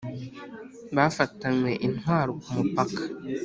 bafatanywe intwaro kumupaka